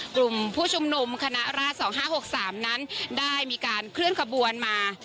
กลุ่มผู้ชมนุมคณะราชสองห้าหกสามนั้นได้มีการเคลื่อนกระบวนมา